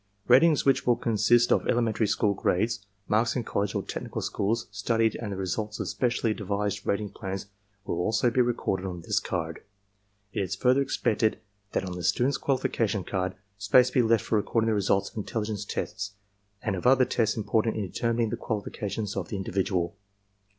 Ratings which will consist of elementary school grades, marks in college or technical school studies and the results of specially devised rating plans will also be recorded on this card. It is further expected that on the student's qualification card space be left for recording the results of intelligence tests and of other tests important in determining the qualifications of the individual.